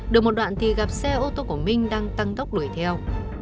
được một đoạn thì gặp xe ô tô của minh đang tăng tốc đuổi theo